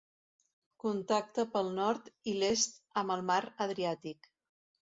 Contacta pel nord i l'est amb el mar Adriàtic.